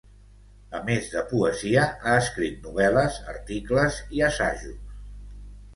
A més de poesia, ha escrit novel·les, articles i assajos.